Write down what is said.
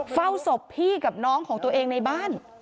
เฝ้าศพพี่กับน้องของตัวเองในบ้าน